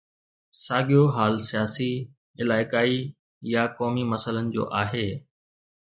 ساڳيو حال سياسي، علائقائي يا قومي مسئلن جو آهي.